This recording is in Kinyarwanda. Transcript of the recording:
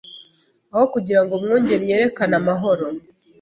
Aho kugira ngo umwungeri yerekane amahoro